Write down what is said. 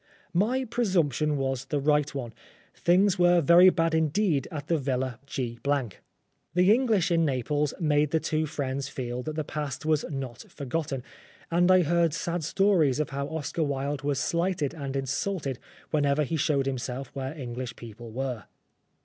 My presumption was the right one. Things were very bad indeed at the Villa G . The English in Naples made the two friends feel that the past was not for gotten, and I heard sad stories of how Oscar Wilde was slighted and insulted whenever he showed himself where English people were.